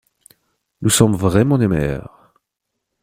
Nous sommes vraiment les meilleurs!